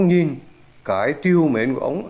ông nói và ông nhìn cái tiêu mến của ông